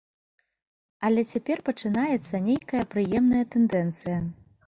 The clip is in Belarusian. Але цяпер пачынаецца нейкая прыемная тэндэнцыя.